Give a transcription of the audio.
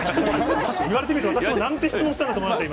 確かに言われてみると、私もなんて質問したんだろうと思いました、今。